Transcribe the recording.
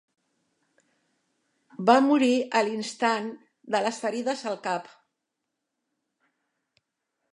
Va morir a l'instant de les ferides al cap.